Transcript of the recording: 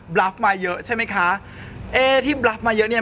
เนี้ยบรัฟมาเยอะใช่ไหมค่ะเอ่ยที่บรัฟมาเยอะเนี้ย